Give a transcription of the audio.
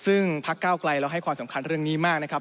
ซึ่งพักเก้าไกลเราให้ความสำคัญเรื่องนี้มากนะครับ